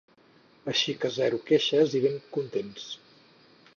Així que zero queixes i ben contents.